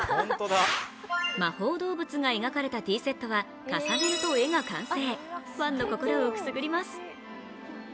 魔法動物が描かれたティーセットは重ねると絵が完成。